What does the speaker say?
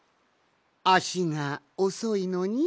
あしがおそいのに？